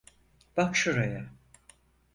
Bak şuraya.